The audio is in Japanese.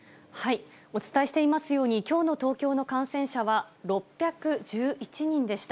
お伝えしていますように、きょうの東京の感染者は６１１人でした。